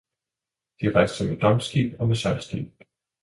De rejste med dampskib og med sejlskib.